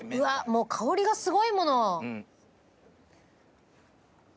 もう香りがすごいもの！